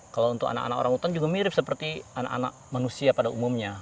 kalau untuk anak anak orangutan juga mirip seperti anak anak manusia pada umumnya